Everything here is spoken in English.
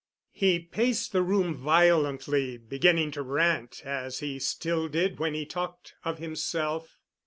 He paced the room violently, beginning to rant, as he still did when to talked of himself.